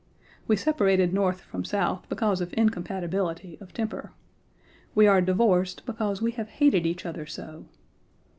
We separated North from South because of incompatibility of temper. We are divorced because we have hated each other so.